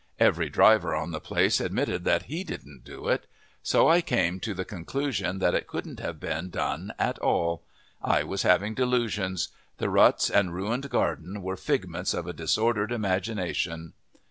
Every driver on the place admitted that he didn't do it; so I came to the conclusion that it couldn't have been done at all. I was having delusions. The ruts and ruined gardens were figments of a disordered imagination.